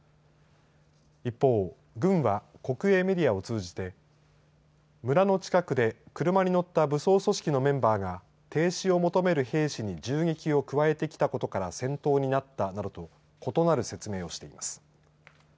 一方、軍は国営メディアを通じて村の近くで車に乗った武装組織のメンバーが停止を求める兵士に銃撃を加えてきたことから戦闘になったなどと異なる説明をしています。